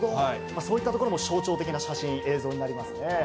そういったところも象徴的な写真、映像になりますね。